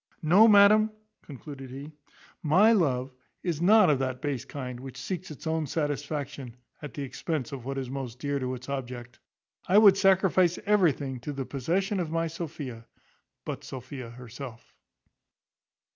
No, madam," concluded he, "my love is not of that base kind which seeks its own satisfaction at the expense of what is most dear to its object. I would sacrifice everything to the possession of my Sophia, but Sophia herself."